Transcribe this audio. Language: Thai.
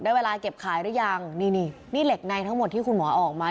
เวลาเก็บขายหรือยังนี่นี่เหล็กในทั้งหมดที่คุณหมอออกมา